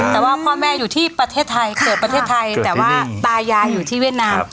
แต่ว่าพ่อแม่อยู่ที่ประเทศไทยเกิดประเทศไทยแต่ว่าตายายอยู่ที่เวียดนาม